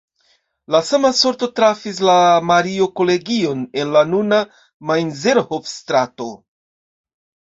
La sama sorto trafis la Mario-Kolegion en la nuna Mainzerhof-strato.